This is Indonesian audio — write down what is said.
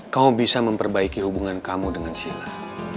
kamu bisa memperbaiki hubungan kamu dengan silah